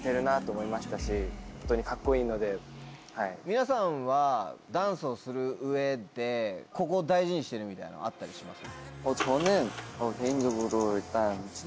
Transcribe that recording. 皆さんはダンスをする上で「ここ大事にしてる」みたいなのあったりします？